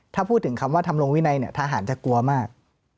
ถ้าพูดถึงคำว่าทำลงวินัยเนี่ยทหารจะกลัวมาก